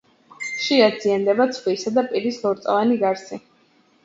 ხშირად ზიანდება ცხვირისა და პირის ლორწოვანი გარსი.